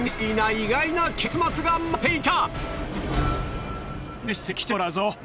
意外な結末が待っていた！